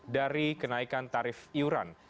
dari kenaikan tarif iuran